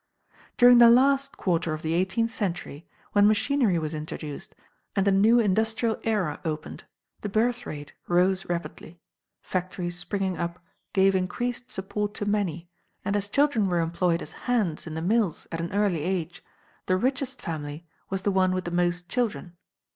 During the last quarter of the eighteenth century, when machinery was introduced and a new industrial era opened, the birth rate rose rapidly. Factories springing up gave increased support to many, and as children were employed as "hands" in the mills at an early age, the richest family was the one with most children.